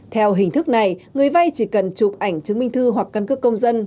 theo hình thức này người vay chỉ cần chụp ảnh chứng minh thư hoặc căn cước công dân